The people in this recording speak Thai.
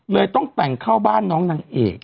ต้องแต่งเข้าบ้านน้องนางเอก